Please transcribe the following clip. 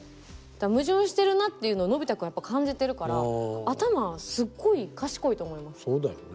矛盾してるなっていうのをのび太君はやっぱり感じてるから頭すごい賢いと思います。